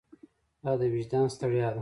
دا د وجدان ستړیا ده.